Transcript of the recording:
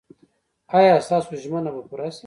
ایا ستاسو ژمنه به پوره شي؟